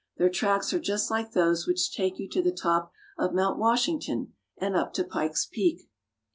Their tracks are just like those which take you to the top of Mount Washington and up to Pikes Peak.